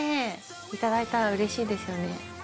頂いたらうれしいですよね。